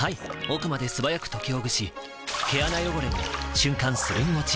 奥まで素早く解きほぐし毛穴汚れも瞬間するん落ち！